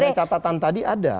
dengan catatan tadi ada